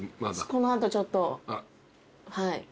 この後ちょっとはい。